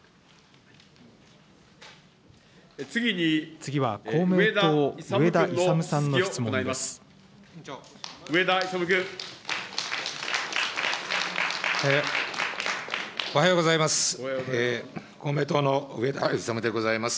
次は公明党、上田勇さんの質問です。